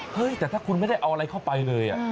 เฮ้ยแต่ถ้าคุณไม่ได้เอาอะไรเข้าไปเลย